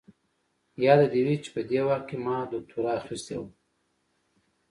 ياده دې وي چې په دې وخت کې ما دوکتورا اخيستې وه.